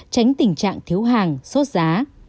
tránh tình trạng thiếu hàng sốt giá